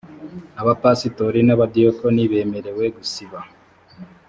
abapastori n’abadiyakoni bemerewe gusiba